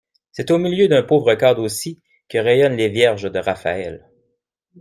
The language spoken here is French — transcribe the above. C'est au milieu d'un pauvre cadre aussi que rayonnent les vierges de Raphaël.